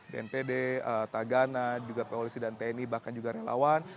bnpd tagana juga polisi dan tni bahkan juga relawan